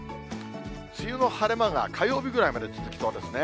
梅雨の晴れ間が火曜日ぐらいまで続きそうですね。